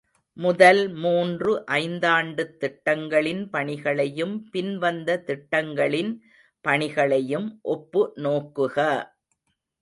முதல் மூன்று ஐந்தாண்டுத் திட்டங்களின் பணிகளையும் பின் வந்த திட்டங்களின் பணிகளையும் ஒப்பு நோக்குக!